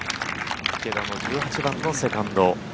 池田の１８番のセカンド。